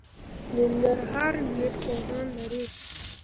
ننګرهار ژبپوهان لري